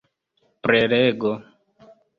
prelego